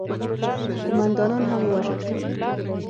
قوماندانان هم ووژل شول.